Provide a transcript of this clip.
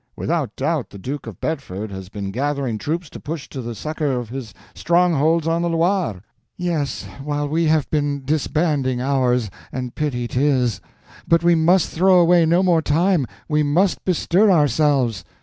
Without doubt the Duke of Bedford has been gathering troops to push to the succor of his strongholds on the Loire." "Yes, while we have been disbanding ours—and pity 'tis. But we must throw away no more time; we must bestir ourselves."